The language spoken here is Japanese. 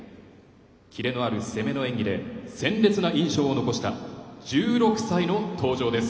キレのある攻めの演技で鮮烈な印象を残した１６歳の登場です。